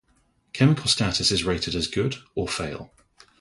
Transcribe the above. Chemical status is rated as good or fail.